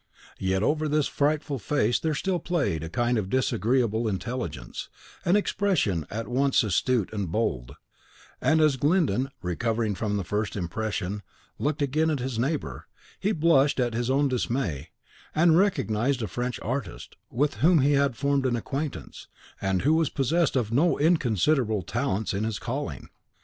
Yet over this frightful face there still played a kind of disagreeable intelligence, an expression at once astute and bold; and as Glyndon, recovering from the first impression, looked again at his neighbour, he blushed at his own dismay, and recognised a French artist, with whom he had formed an acquaintance, and who was possessed of no inconsiderable talents in his calling.